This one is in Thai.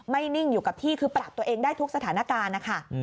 นิ่งอยู่กับที่คือปรับตัวเองได้ทุกสถานการณ์นะคะ